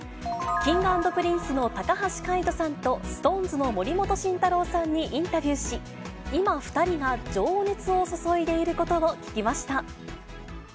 Ｋｉｎｇ＆Ｐｒｉｎｃｅの高橋海人さんと、ＳｉｘＴＯＮＥＳの森本慎太郎さんにインタビューし、今、２人が情熱を注いでいることを聞きました。